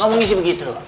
ngomongin sih begitu